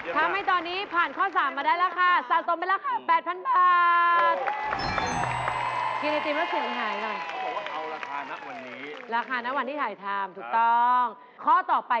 ทำให้ตอนนี้ผ่านข้อ๓มาได้ละค่ะ